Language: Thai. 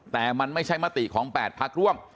แต่มันไม่ใช่มติของ๘พักร่วม